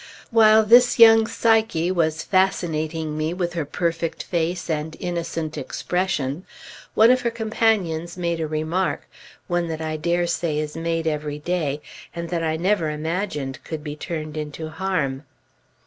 While this young Psyche was fascinating me, with her perfect face and innocent expression, one of her companions made a remark one that I dare say is made every day, and that I never imagined could be turned into harm.